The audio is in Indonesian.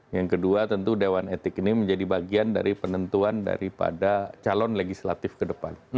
yang kedua tentu dewan etik ini menjadi bagian dari penentuan daripada calon legislatif ke depan